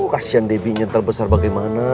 kasian debynya terbesar bagaimana